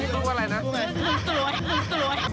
พูดดีพูดดีพูดดีพูดดีพูดดี